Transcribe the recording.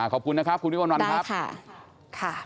ขอบคุณนะครับคุณวิววันวันครับได้ค่ะ